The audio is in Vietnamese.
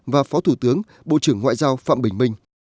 và phó thủ tướng bộ trưởng ngoại giao phạm bình minh